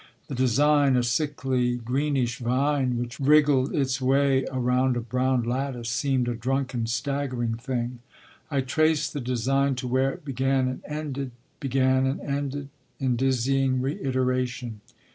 The design, a sickly, greenish vine which wriggled its way around a brown lattice, seemed a drunken, staggering thing. I traced the design to where it began and ended, began and ended, in dizzying reiteration.